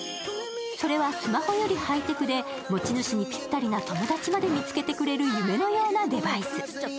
それはスマホよりハイテクで持ち主にぴったりな友達まで見つけてくれる夢のようなデバイス。